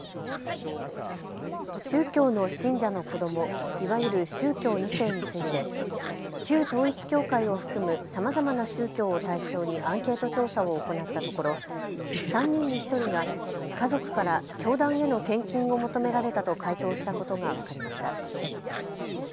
宗教の信者の子ども、いわゆる宗教２世について旧統一教会を含むさまざまな宗教を対象にアンケート調査を行ったところ３人に１人が家族から教団への献金を求められたと回答したことが分かりました。